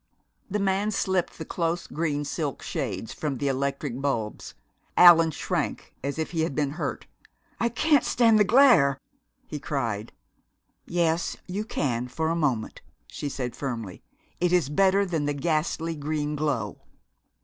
The man slipped the close green silk shades from the electric bulbs. Allan shrank as if he had been hurt. "I can't stand the glare," he cried. "Yes, you can for a moment," she said firmly. "It's better than the ghastly green glow."